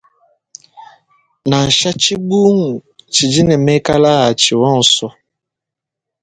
Nansa tshibungu tshidi ne mekala a tshi onso.